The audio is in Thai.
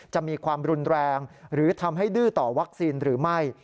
จะมีความรุนแรงหรือทำให้ดื้อต่อวัคซีนหรือไม่